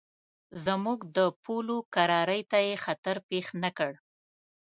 زموږ د پولو کرارۍ ته یې خطر پېښ نه کړ.